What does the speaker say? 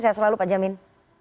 saya selalu pak jamin